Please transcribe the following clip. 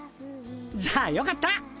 じゃあよかった！